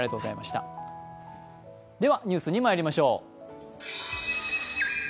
では、ニュースにまいりましょう。